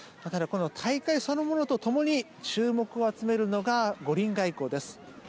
ただ、この大会そのものとともに注目を集めるのが五輪外交です。